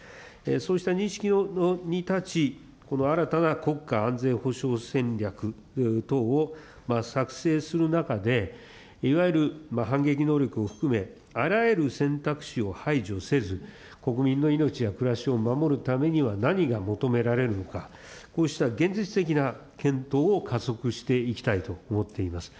そうした認識に立ち、この新たな国家安全保障戦略等を作成する中で、いわゆる反撃能力を含め、あらゆる選択肢を排除せず、国民の命や暮らしを守るためには何が求められるのか、こうした現実的な検討を加速していきたいと思っています。